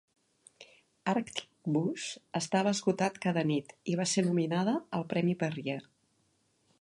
"Arctic Boosh" estava esgotat cada nit i va ser nominada al premi Perrier.